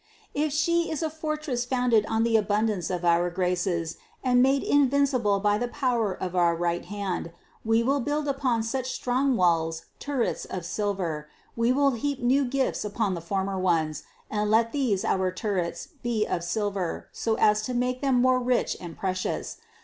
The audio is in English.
If she is a fortress founded on the abundance of our graces and made invincible by the power of our right hand, We will build upon such strong walls turrets of silver, We will heap new gifts upon the former ones, and let these our 314 CITY OF GOD turrets be of silver so as to make them more rich and precious.